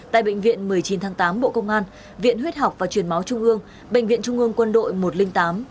tại bệnh viện một mươi chín tháng tám bộ công an viện huyết học và truyền máu trung ương bệnh viện trung ương quân đội một trăm linh tám